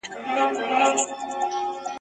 چي یې وږي خپل اولاد نه وي لیدلي !.